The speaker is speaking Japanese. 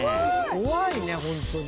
怖いねホントに。